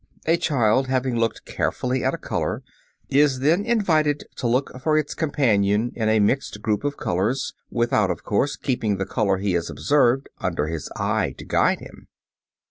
A child having looked carefully at a color, is then invited to look for its companion in a mixed group of colors, without, of course, keeping the color he has observed under his eye to guide him.